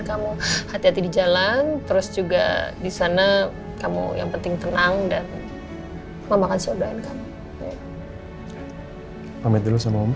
boleh sekarang penanti